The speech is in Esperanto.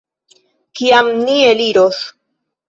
Kiam ni eliros?